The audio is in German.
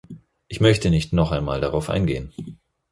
Ich möchte nicht noch einmal darauf eingehen.